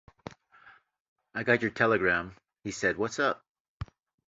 "I got your telegram," he said, "what's up?"